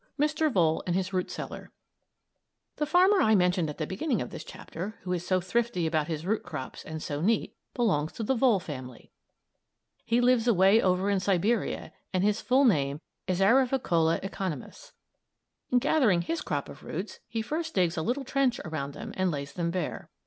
MR. VOLE AND HIS ROOT CELLAR The farmer I mentioned at the beginning of this chapter, who is so thrifty about his root crops and so neat, belongs to the Vole family. He lives away over in Siberia and his full name is Arvicola economus. In gathering his crop of roots, he first digs a little trench around them and lays them bare.